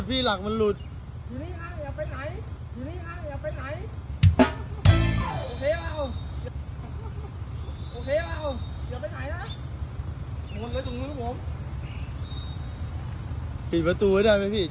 ใช้หลักมันหลุดพี่หลักมันหลุดอยู่นี่นะอย่างไรอยู่นี่นะอย่างไหน